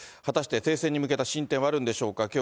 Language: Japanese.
果たして停戦に向けたしんてんはあるんでしょうか。